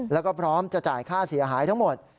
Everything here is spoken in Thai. แล้วก็พร้อมจะจ่ายค่าเสียหายทั้งหมด